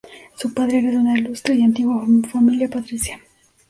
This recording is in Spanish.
Su padre era de una ilustre y antigua familia patricia.